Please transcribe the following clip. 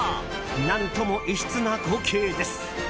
何とも異質な光景です。